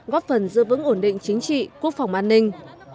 góp phần giữ vững ổn định chính trị quốc phòng an ninh